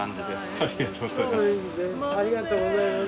ありがとうございます。